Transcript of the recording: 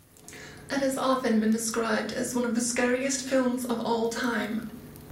It has often been described as one of the scariest films of all time.